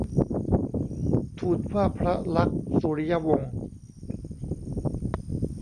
ทูลว่าพระลักษมณ์สุริยวงศ์